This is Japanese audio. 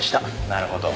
なるほど。